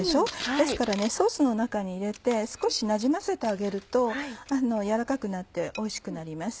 ですからソースの中に入れて少しなじませてあげると軟らかくなっておいしくなります。